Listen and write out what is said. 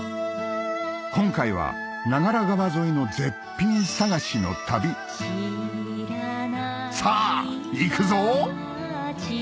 今回は長良川沿いの絶品探しの旅さぁ行くぞ！